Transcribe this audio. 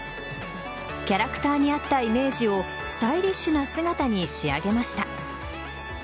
キャラクターに合ったイメージをスタイリッシュな姿に仕上げました。